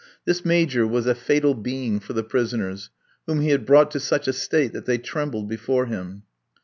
This Major was a fatal being for the prisoners, whom he had brought to such a state that they trembled before him.